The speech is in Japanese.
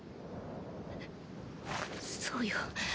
そうよ。